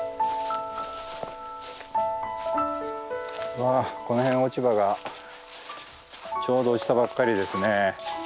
わあこの辺落ち葉がちょうど落ちたばっかりですね。